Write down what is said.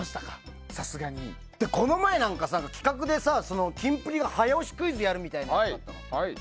この前なんか企画でさキンプリが早押しクイズやるみたいなのがあったの。